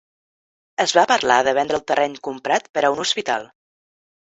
Es va parlar de vendre el terreny comprat per a un hospital.